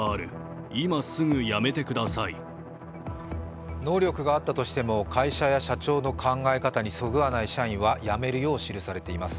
更に能力があったとしても会社の規定や社長の考えにそぐわない社員は辞めるよう記されています。